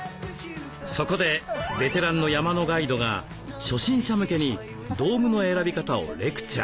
そこでベテランの山のガイドが初心者向けに道具の選び方をレクチャー。